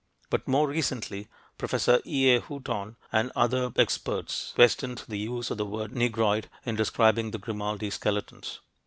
But more recently, Professor E. A. Hooton and other experts questioned the use of the word "Negroid" in describing the Grimaldi skeletons.